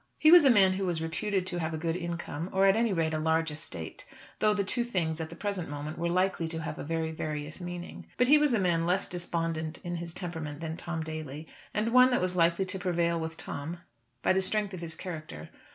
He was a man who was reputed to have a good income, or at any rate a large estate, though the two things at the present moment were likely to have a very various meaning. But he was a man less despondent in his temperament than Tom Daly, and one that was likely to prevail with Tom by the strength of his character.